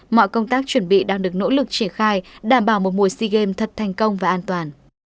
mọi công tác chuẩn bị đang được nỗ lực triển khai đảm bảo một mùa sea games thật thành công và an toàn